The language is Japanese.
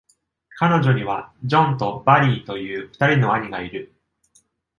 彼女には、ジョンとバリーという二人の兄がいる。